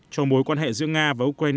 cho mối quan hệ giữa nga và ukraine